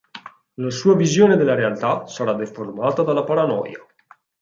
La sua visione della realtà sarà deformata dalla paranoia.